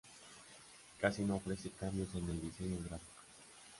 Casi no ofrece cambios en el diseño gráfico.